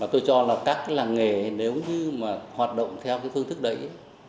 tôi cho là các làng nghề nếu như hoạt động theo phương thức đấy